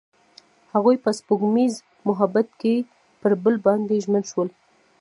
هغوی په سپوږمیز محبت کې پر بل باندې ژمن شول.